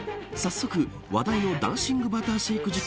早速、話題のダンシングバターシェイク